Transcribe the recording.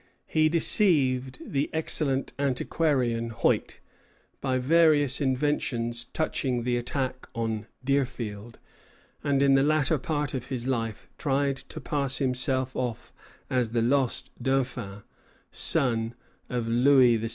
He deceived the excellent antiquarian, Hoyt, by various inventions touching the attack on Deerfield, and in the latter part of his life tried to pass himself off as the lost Dauphin, son of Louis XVI.